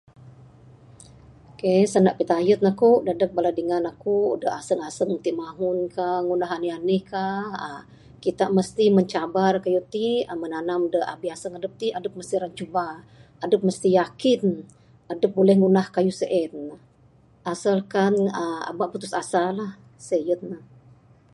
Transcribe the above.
Okay, sanda pitayen aku dadeg bala dingan aku aseng ti mahun ka anih anih ka. Kita mesti mencabar kayuh ti. uhh menanam abih aseng adep ti mesti ra cuba. Adep mesti yakin adep buleh ngunah kayuh sien asalkan uhh aba putus asa la, seh yen ne